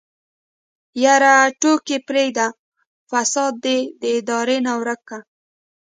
يره ټوکې پرېده فساد دې د ادارې نه ورک که.